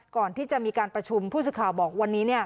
ก่อนที่จะมีการประชุมผู้สื่อข่าวบอกวันนี้